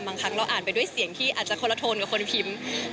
บางครั้งเราอ่านไปด้วยเสียงที่อาจจะคนละโทนกับคนพิมพ์